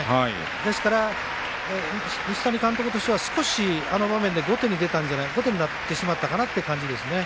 ですから、西谷監督としては少しあの場面で後手になってしまったかなという感じですね。